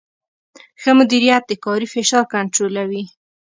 ښه مدیریت د کاري فشار کنټرولوي.